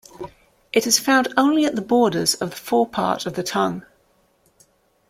It is found only at the borders of the forepart of the tongue.